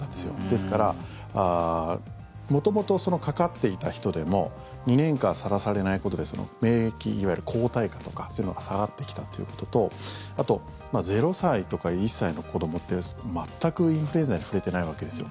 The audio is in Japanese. ですから元々かかっていた人でも２年間さらされないことで免疫、いわゆる抗体価とかそういうのが下がってきたということとあと、０歳とか１歳の子どもって全くインフルエンザに触れてないわけですよ。